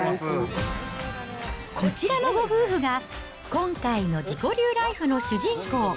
こちらのご夫婦が今回の自己流ライフの主人公。